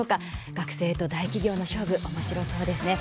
学生と大企業の勝負おもしろそうですね。